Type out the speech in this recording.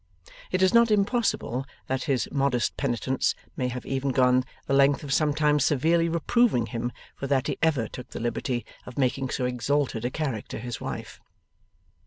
It is not impossible that his modest penitence may have even gone the length of sometimes severely reproving him for that he ever took the liberty of making so exalted a character his wife.